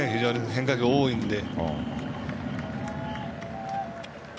変化球が多いので。